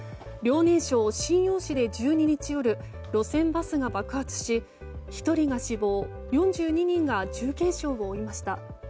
遼寧省瀋陽市で１２日夜路線バスが爆発し１人が死亡４２人が重軽傷を負いました。